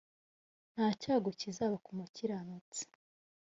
nta cyago kizaba ku mukiranutsi